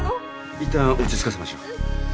いったん落ち着かせましょう。